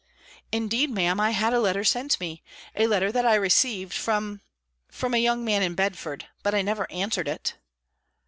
"Indeed, Ma'am, I had a letter sent me a letter that I received from from a young man in Bedford; but I never answered it."